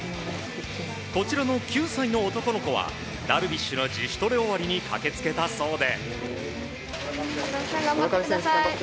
こちらの９歳の男の子はダルビッシュの自主トレ終わりに駆け付けたそうで。